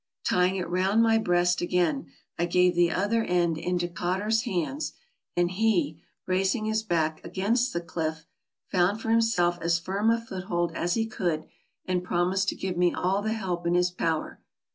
Tying it round my breast again, I gave the other end into Cotter's hands, and he, bracing his back against the cliff, found for himself as firm a foothold as he could, and promised to give me all the help in his power.